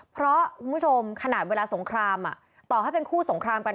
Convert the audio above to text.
เพราะคุณผู้ชมขนาดเวลาสงครามต่อให้เป็นคู่สงครามกัน